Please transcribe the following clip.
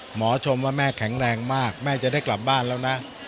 หมอชมว่าแม่แข็งแรงมากแม่จะได้กลับบ้านแล้วนะ